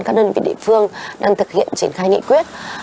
các đơn vị địa phương đang thực hiện triển khai nghị quyết